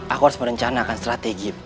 aku harus merencanakan strategi